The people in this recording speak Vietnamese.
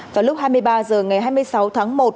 vào lúc hai mươi ba h ngày hai mươi sáu tháng một